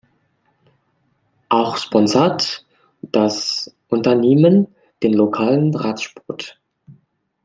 Auch sponsert das Unternehmen den lokalen Radsport.